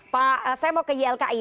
pak saya mau ke ylki